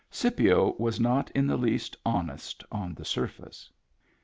(Scipio was not in the least honest on the surface.)